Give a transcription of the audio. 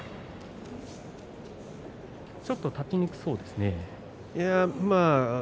ちょっと立ちにくそうですね。